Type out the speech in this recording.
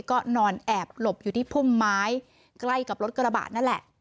ก็นอนแอบหลบอยู่ที่พุ่มไม้ใกล้กับรถกระบะนั่นแหละ